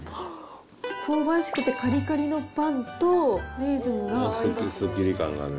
香ばしくてかりかりのパンと、レーズンが。